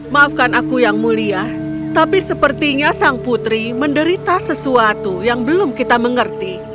maafkan aku yang mulia tapi sepertinya sang putri menderita sesuatu yang belum kita mengerti